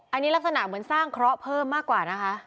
อันนี้ลักษณะเหมือนสร้างเคราะห์เพิ่มมากกว่านะคะ